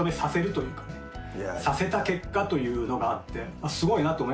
させた結果というのがあって。